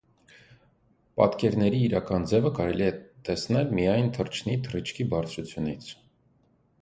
Պատկերների իրական ձևը կարելի տեսնել միայն թռչնի թռիչքի բարձրությունից։